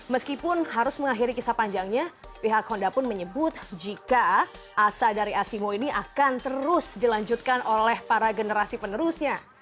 meskipun harus mengakhiri kisah panjangnya pihak honda pun menyebut jika asa dari asimo ini akan terus dilanjutkan oleh para generasi penerusnya